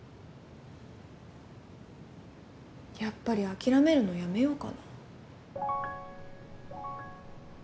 やっぱり諦めるのやめようかな。